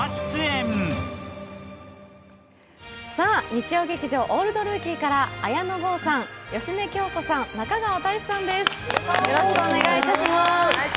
日曜劇場「オールドルーキー」から綾野剛さん、芳根京子さん、中川大志さんです。